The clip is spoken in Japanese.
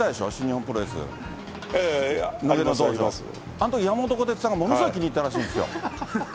あのとき、山本小鉄さんが、ものすごい気に入ったらしいんですよ。